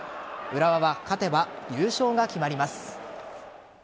浦和は勝てば優勝が決まります。